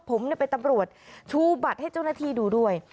ผมเป็นตำรวจชูบัตรให้เจ้าหน้าที่ดูด้วย